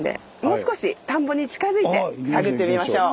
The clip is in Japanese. もう少し田んぼに近づいて探ってみましょう。